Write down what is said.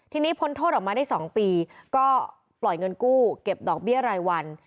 ทีนี้พ้นโทษออกมาได้๒ปีก็ปล่อยเงินกู้เก็บดอกเบี้ยรายวัน